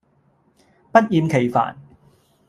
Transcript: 不厭其煩